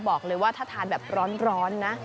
บอกเลยว่าถ้าทานแบบร้อนนะ